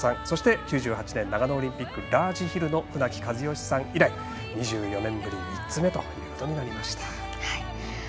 そして、９８年長野オリンピックラージヒルの船木和喜さん以来２４年ぶり３つ目ということになりました。